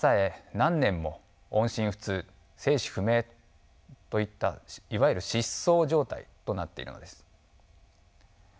何年も音信不通生死不明といったいわゆる失踪状態となっているのです。